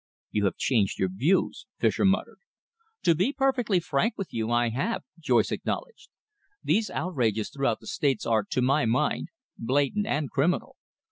"You have changed your views," Fischer muttered. "To be perfectly frank with you, I have," Joyce acknowledged. "These outrages throughout the States are, to my mind, blatant and criminal.